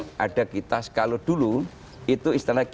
kalau sekarang ada kita kalau dulu itu istilahnya kita